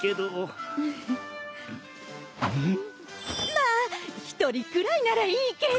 龜泙１人くらいならいいけど。